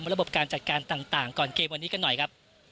ระบบการจัดการต่างก่อนเกมวันนี้กันหน่อยครับ